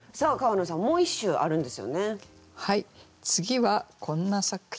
次はこんな作品です。